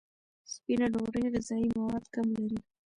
سپینه ډوډۍ غذایي مواد کم لري.